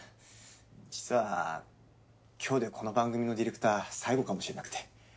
実は今日でこの番組のディレクター最後かもしれなくて。